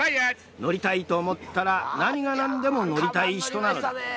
乗りたいと思ったら何が何でも乗りたい人なのだ。